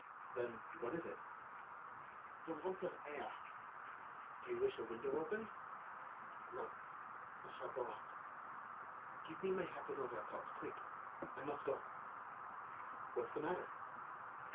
"Then, what is it?" "The want of air." "Do you wish a window opened?" "No, I shall go out. Give me my hat and overcoat, quick! I must go." "What's the matter?"